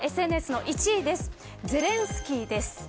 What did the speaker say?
ＳＮＳの１位です。